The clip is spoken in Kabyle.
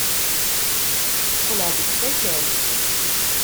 Qqleɣ-d deg usakal.